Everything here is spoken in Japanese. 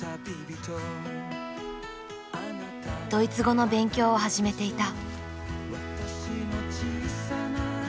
ドイツ語の勉強を始めていた。